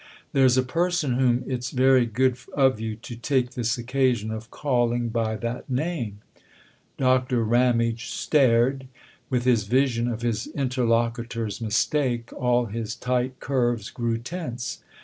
"There's a person whom it's very good of you to take this occasion of calling by that name !" 290 THE OTHER HOUSE Doctor Ramage stared ; with his vision of his interlocutor's mistake all his tight curves grew tense.